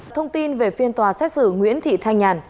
thông tin về phiên tòa xét xử nguyễn thị thanh nhàn